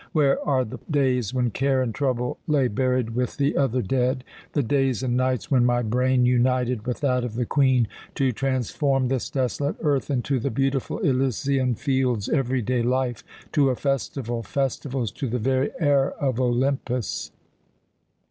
Where are the days when care and trouble lay buried with the other dead the days and nights when my brain united with that of the Queen to transform this desolate earth into the beautiful Elysian Fields, every day life to a festival, festivals to the very air of Olympus?